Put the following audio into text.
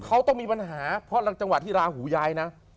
เขาต้องมีปัญหาเพราะจังหวะที่ราหูย้ายนะ